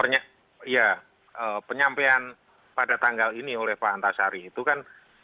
ya penyampaian pada tanggal ini oleh pak antasari itu kan